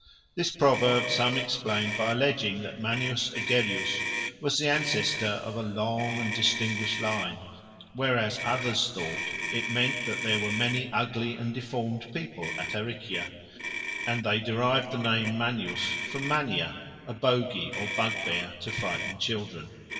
This proverb some explained by alleging that Manius Egerius was the ancestor of a long and distinguished line, whereas others thought it meant that there were many ugly and deformed people at Aricia, and they derived the name Manius from Mania, a bogey or bugbear to frighten children.